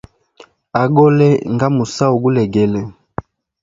Agole nga musahu gulegele.